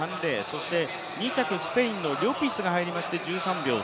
そして２着スペインのリョピスが入りました。